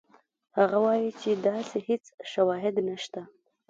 هغه وایي چې داسې هېڅ شواهد نشته.